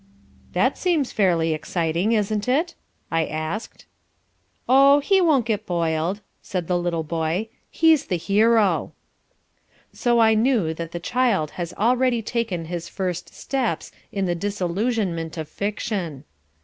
"That seems fairly exciting, isn't it?" I said. "Oh, he won't get boiled," said the little boy. "He's the hero." So I knew that the child has already taken his first steps in the disillusionment of fiction.